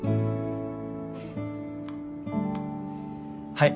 はい。